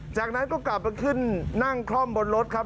จากนั้นก็กลับมาขึ้นนั่งคล่อมบนรถครับ